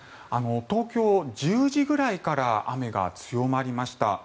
東京、１０時くらいから雨が強まりました。